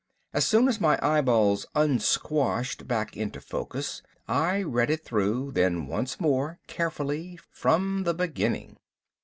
As soon as my eyeballs unsquashed back into focus I read it through, then once more, carefully, from the beginning.